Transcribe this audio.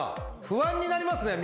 不安になりますね。